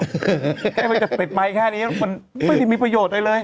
มันจะติดไมค์แค่นี้มันไม่ได้มีประโยชน์อะไรเลย